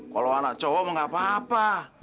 kalau anak cowok nggak apa apa